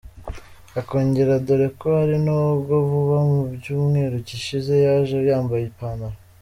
akongera dore ko hari n’ubwo vuba mu cyumweru gishize yaje yambaye ipantalo.